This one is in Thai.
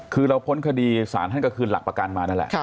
คือเราพ้นคดีสารท่านก็คืนหลักประกันมานั่นแหละ